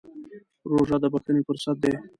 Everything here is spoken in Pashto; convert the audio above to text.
روژه د بښنې فرصت دی.